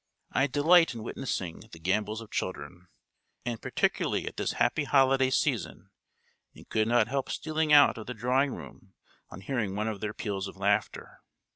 I delight in witnessing the gambols of children, and particularly at this happy holiday season, and could not help stealing out of the drawing room on hearing one of their peals of laughter.